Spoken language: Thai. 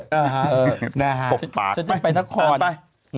อ๋อฮะนะฮะฉันจะไปนักคลอนออกไป